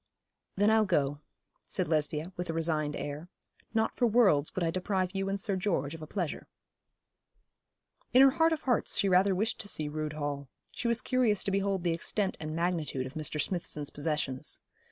'Then I'll go,' said Lesbia, with a resigned air. 'Not for worlds would I deprive you and Sir George of a pleasure.' In her heart of hearts she rather wished to see Rood Hall. She was curious to behold the extent and magnitude of Mr. Smithson's possessions.